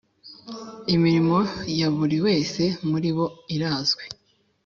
imirimo ya buri wese muri bo irazwi